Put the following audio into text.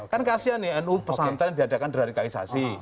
kan kasian ya nu pesantren diadakan deradikalisasi